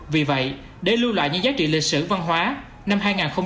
vì vậy để lưu loại những giá trị lịch sử văn hóa năm hai nghìn hai mươi hai